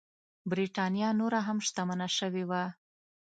برېټانیا نوره هم شتمنه شوې وه.